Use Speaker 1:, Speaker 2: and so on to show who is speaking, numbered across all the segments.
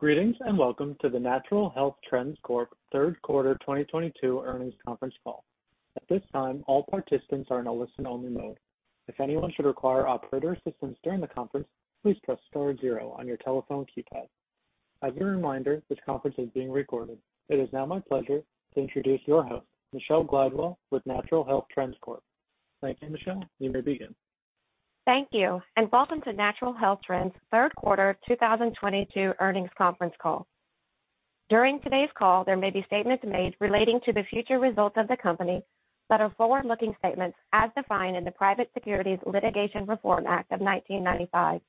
Speaker 1: Greetings, and welcome to the Natural Health Trends Corp. Third Quarter 2022 Earnings Conference Call. At this time, all participants are in a listen-only mode. If anyone should require operator assistance during the conference, please press star zero on your telephone keypad. As a reminder, this conference is being recorded. It is now my pleasure to introduce your host, Michelle Glidewell with Natural Health Trends Corp. Thank you, Michelle. You may begin.
Speaker 2: Thank you, and welcome to Natural Health Trends third quarter 2022 earnings conference call. During today's call, there may be statements made relating to the future results of the company that are forward-looking statements as defined in the Private Securities Litigation Reform Act of 1995.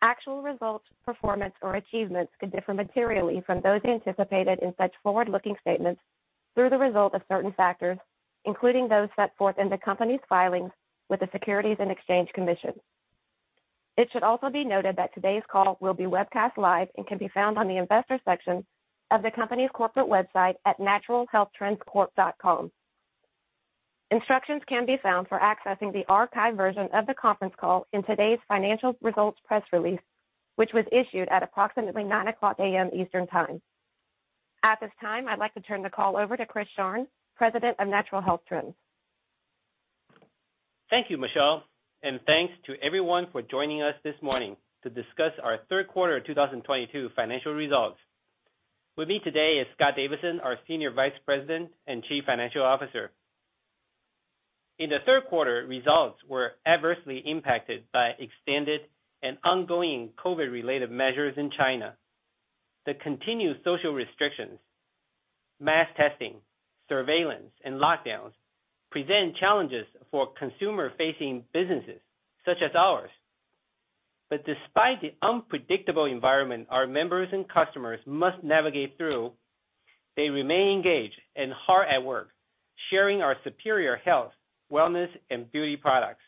Speaker 2: Actual results, performance, or achievements could differ materially from those anticipated in such forward-looking statements as a result of certain factors, including those set forth in the company's filings with the Securities and Exchange Commission. It should also be noted that today's call will be webcast live and can be found on the investor section of the company's corporate website at naturalhealthtrendscorp.com. Instructions can be found for accessing the archived version of the conference call in today's financial results press release, which was issued at approximately 9:00 A.M. Eastern Time. At this time, I'd like to turn the call over to Chris Sharng, President of Natural Health Trends.
Speaker 3: Thank you, Michelle. Thanks to everyone for joining us this morning to discuss our third quarter 2022 financial results. With me today is Scott Davidson, our Senior Vice President and Chief Financial Officer. In the third quarter, results were adversely impacted by extended and ongoing COVID-related measures in China. The continued social restrictions, mass testing, surveillance, and lockdowns present challenges for consumer-facing businesses such as ours. Despite the unpredictable environment our members and customers must navigate through, they remain engaged and hard at work, sharing our superior health, wellness, and beauty products.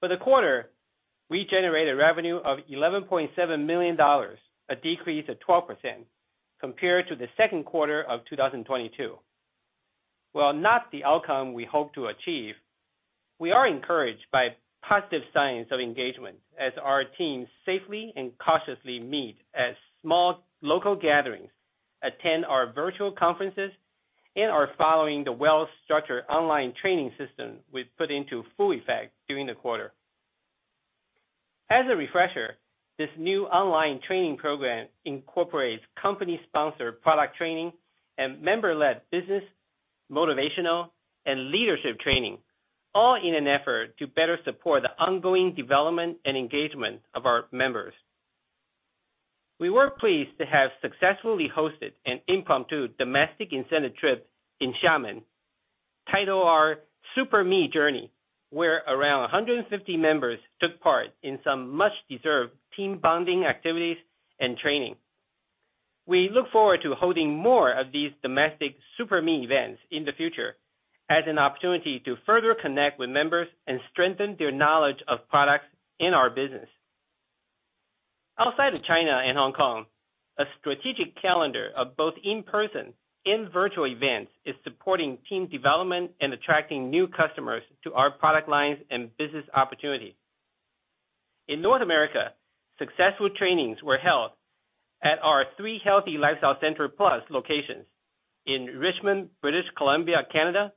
Speaker 3: For the quarter, we generated revenue of $11.7 million, a decrease of 12% compared to the second quarter of 2022. While not the outcome we hope to achieve, we are encouraged by positive signs of engagement as our teams safely and cautiously meet at small local gatherings, attend our virtual conferences, and are following the well-structured online training system we've put into full effect during the quarter. As a refresher, this new online training program incorporates company-sponsored product training and member-led business, motivational, and leadership training, all in an effort to better support the ongoing development and engagement of our members. We were pleased to have successfully hosted an impromptu domestic incentive trip in Xiamen, titled our Super Me Journey, where around 150 members took part in some much-deserved team bonding activities and training. We look forward to holding more of these domestic Super Me events in the future as an opportunity to further connect with members and strengthen their knowledge of products in our business. Outside of China and Hong Kong, a strategic calendar of both in-person and virtual events is supporting team development and attracting new customers to our product lines and business opportunities. In North America, successful trainings were held at our three Healthy Lifestyle Center Plus locations in Richmond, British Columbia, Canada,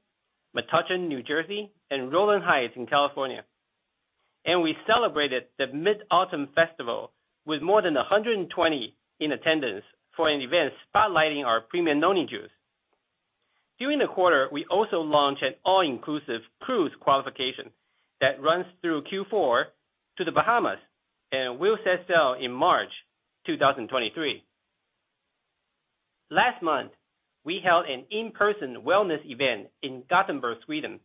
Speaker 3: Metuchen, New Jersey, and Rowland Heights in California. We celebrated the Mid-Autumn Festival with more than 120 in attendance for an event spotlighting our premium Noni juice. During the quarter, we also launched an all-inclusive cruise qualification that runs through Q4 to The Bahamas and will set sail in March 2023. Last month, we held an in-person wellness event in Gothenburg, Sweden,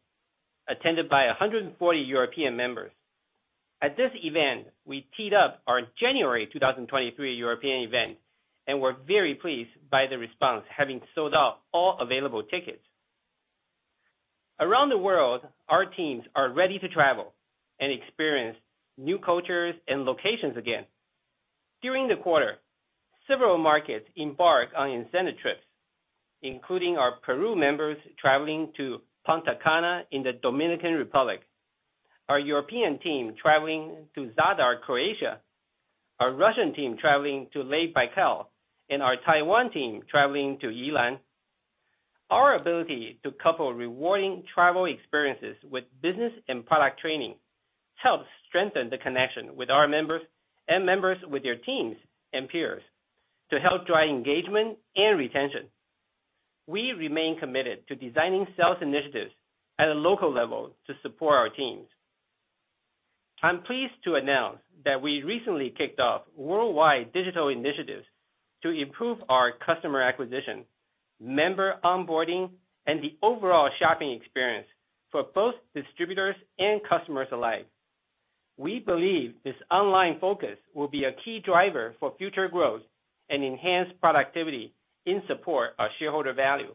Speaker 3: attended by 140 European members. At this event, we teed up our January 2023 European event, and we're very pleased by the response, having sold out all available tickets. Around the world, our teams are ready to travel and experience new cultures and locations again. During the quarter, several markets embarked on incentive trips, including our Peru members traveling to Punta Cana in the Dominican Republic, our European team traveling to Zadar, Croatia, our Russian team traveling to Lake Baikal, and our Taiwan team traveling to Yilan. Our ability to couple rewarding travel experiences with business and product training helps strengthen the connection with our members and members with their teams and peers to help drive engagement and retention. We remain committed to designing sales initiatives at a local level to support our teams. I'm pleased to announce that we recently kicked off worldwide digital initiatives to improve our customer acquisition, member onboarding, and the overall shopping experience for both distributors and customers alike. We believe this online focus will be a key driver for future growth and enhanced productivity in support of shareholder value.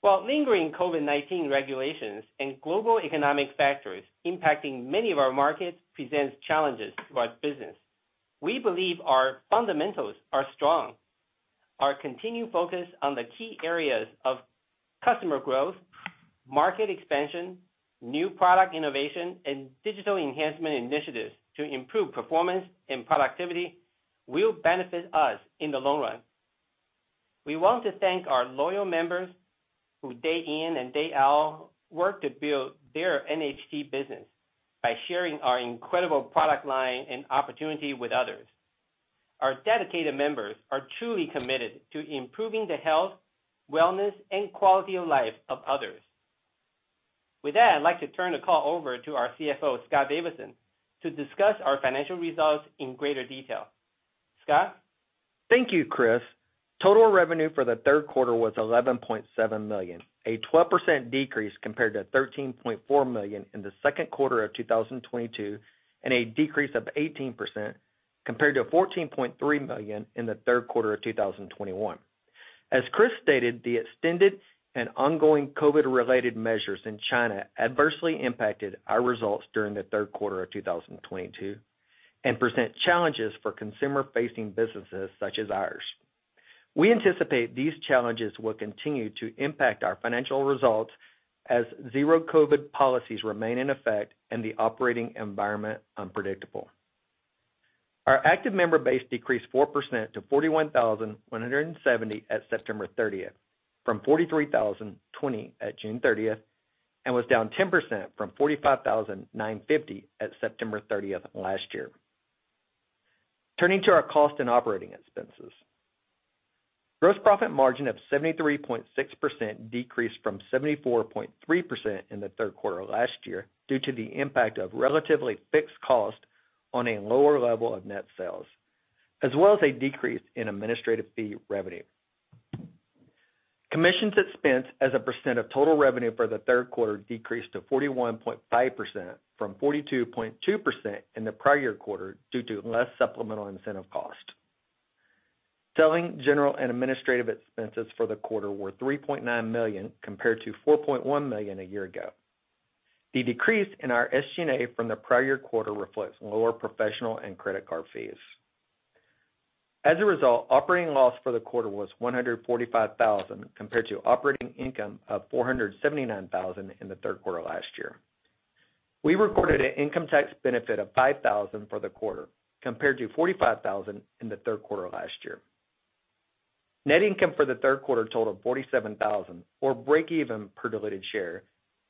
Speaker 3: While lingering COVID-19 regulations and global economic factors impacting many of our markets presents challenges to our business, we believe our fundamentals are strong. Our continued focus on the key areas of customer growth, market expansion, new product innovation, and digital enhancement initiatives to improve performance and productivity will benefit us in the long run. We want to thank our loyal members who day in and day out work to build their NHT business by sharing our incredible product line and opportunity with others. Our dedicated members are truly committed to improving the health, wellness, and quality of life of others. With that, I'd like to turn the call over to our CFO, Scott Davidson, to discuss our financial results in greater detail. Scott?
Speaker 4: Thank you, Chris. Total revenue for the third quarter was $11.7 million, a 12% decrease compared to $13.4 million in the second quarter of 2022, and a decrease of 18% compared to $14.3 million in the third quarter of 2021. As Chris stated, the extended and ongoing COVID-related measures in China adversely impacted our results during the third quarter of 2022, and present challenges for consumer-facing businesses such as ours. We anticipate these challenges will continue to impact our financial results as zero COVID policies remain in effect and the operating environment unpredictable. Our active member base decreased 4% to 41,170 at September 30, from 43,020 at June 30, and was down 10% from 45,950 at September 30 last year. Turning to our cost and operating expenses. Gross profit margin of 73.6% decreased from 74.3% in the third quarter last year due to the impact of relatively fixed cost on a lower level of net sales, as well as a decrease in administrative fee revenue. Commissions expense as a percent of total revenue for the third quarter decreased to 41.5% from 42.2% in the prior quarter due to less supplemental incentive cost. Selling, general, and administrative expenses for the quarter were $3.9 million, compared to $4.1 million a year ago. The decrease in our SG&A from the prior quarter reflects lower professional and credit card fees. As a result, operating loss for the quarter was $145 thousand, compared to operating income of $479 thousand in the third quarter last year. We recorded an income tax benefit of $5 thousand for the quarter, compared to $45 thousand in the third quarter last year. Net income for the third quarter totaled $47 thousand or breakeven per diluted share,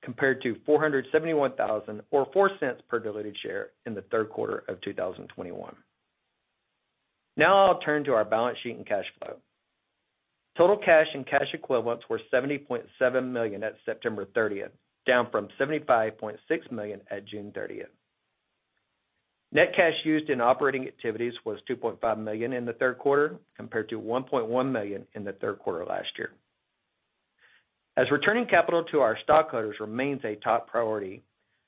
Speaker 4: compared to $471 thousand or $0.04 per diluted share in the third quarter of 2021. Now I'll turn to our balance sheet and cash flow. Total cash and cash equivalents were $70.7 million at September 30, down from $75.6 million at June 30. Net cash used in operating activities was $2.5 million in the third quarter, compared to $1.1 million in the third quarter last year. Returning capital to our stockholders remains a top priority.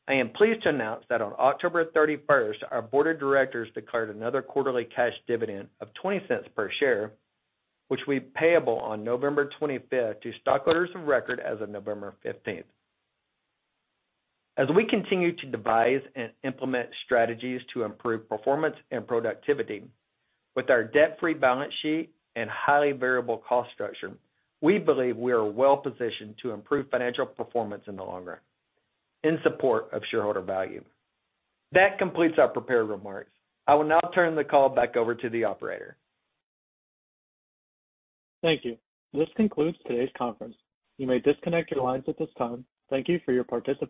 Speaker 4: I am pleased to announce that on October 31st, our board of directors declared another quarterly cash dividend of $0.20 per share, which will be payable on November 25th to stockholders of record as of November 15th. We continue to devise and implement strategies to improve performance and productivity, with our debt-free balance sheet and highly variable cost structure. We believe we are well-positioned to improve financial performance in the long run in support of shareholder value. That completes our prepared remarks. I will now turn the call back over to the operator.
Speaker 1: Thank you. This concludes today's conference. You may disconnect your lines at this time. Thank you for your participation.